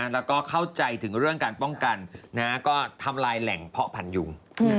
แล้วก็เข้าใจถึงเรื่องการป้องกันก็ทำลายแหล่งเพาะพันยุง